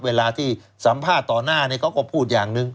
เวลาที่สัมภาษณ์ต่อหน้าเขาก็พูดอย่างหนึ่ง